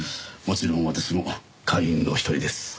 もちろん私も会員の一人です。